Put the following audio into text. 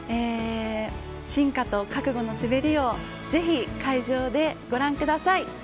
進化と覚悟の滑りをぜひ会場でご覧ください。